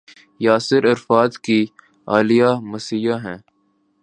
Yasir Arafat کی اہلیہ مسیحی ہیں۔